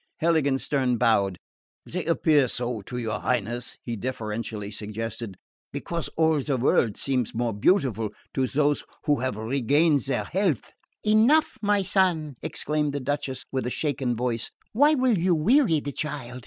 Heiligenstern bowed. "They appeared so to your Highness," he deferentially suggested, "because all the world seems more beautiful to those who have regained their health." "Enough, my son!" exclaimed the Duchess with a shaken voice. "Why will you weary the child?"